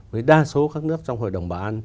với đa số các nước trong hội đồng bảo an